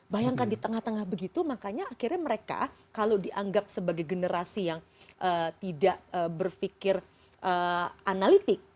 bayangkan di tengah tengah begitu makanya akhirnya mereka kalau dianggap sebagai generasi yang tidak berpikir analitik